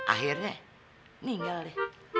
akhirnya ninggal deh